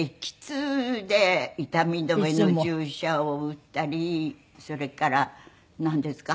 痛み止めの注射を打ったりそれからなんですか。